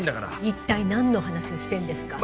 一体なんの話をしてるんですか？